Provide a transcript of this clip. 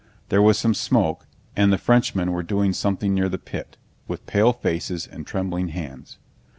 There was some smoke, and the Frenchmen were doing something near the pit, with pale faces and trembling hands.